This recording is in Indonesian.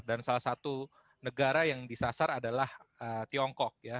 dan salah satu negara yang disasar adalah tiongkok